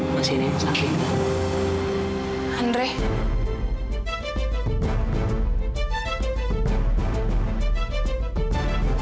masih ada yang sakit ah